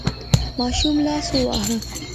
ماشوم لاس وواهه.